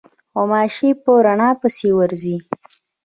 غوماشې په رڼا پسې ورځي.